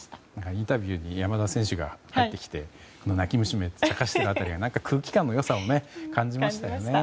インタビューに山田選手がやってきて泣き虫めと茶化した辺りが何か、空気感の良さを感じましたよね。